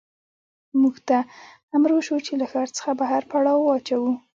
موږ ته امر وشو چې له ښار څخه بهر پړاو واچوو